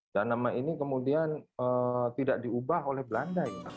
dan nama ini kemudian tidak diubah oleh belanda